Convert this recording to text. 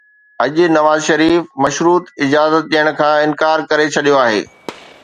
اڄ نواز شريف مشروط اجازت ڏيڻ کان انڪار ڪري ڇڏيو آهي.